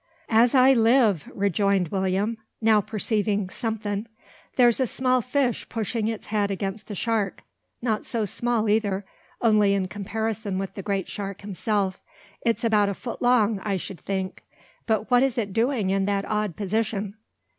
"As I live," rejoined William, now perceiving "somethin'", "there's a small fish pushing his head against the shark, not so small either, only in comparison with the great shark himself. It's about a foot long, I should think. But what is it doing in that odd position?"